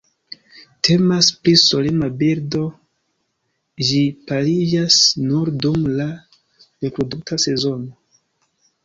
Temas pri solema birdo, ĝi pariĝas nur dum la reprodukta sezono.